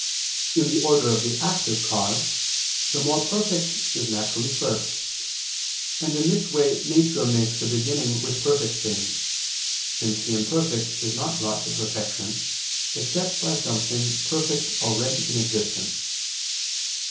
In the order of the active cause, the more perfect is naturally first; and in this way nature makes a beginning with perfect things, since the imperfect is not brought to perfection, except by something perfect already in existence.